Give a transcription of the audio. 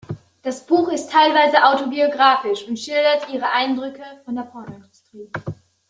Das Buch ist teilweise autobiografisch und schildert ihre Eindrücke von der Pornoindustrie.